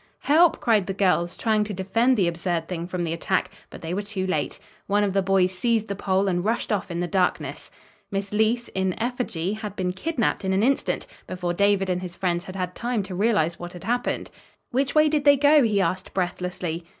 "Help!" cried the girls, trying to defend the absurd thing from the attack, but they were too late. One of the boys seized the pole and rushed off in the darkness. Miss Leece, in effigy, had been kidnapped in an instant, before David and his friends had had time to realize what had happened. "Which way did they go?" he asked breathlessly.